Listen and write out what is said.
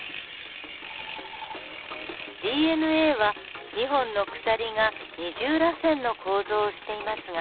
ＤＮＡは２本の鎖が二重らせんの構造をしていますが。